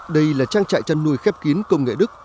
đây là trang trại chăn nuôi khép kín công nghệ đức